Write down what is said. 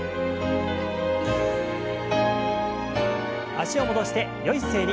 脚を戻してよい姿勢に。